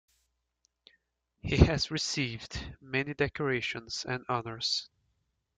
He has received many decorations and honours.